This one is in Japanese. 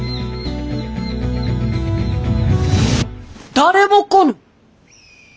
誰も来ぬ？